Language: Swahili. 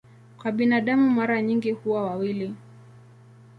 Kwa binadamu mara nyingi huwa wawili.